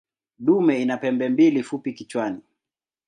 Dume ina pembe mbili fupi kichwani.